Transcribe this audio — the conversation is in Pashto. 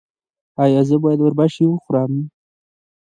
ایا زه باید اوربشې وخورم؟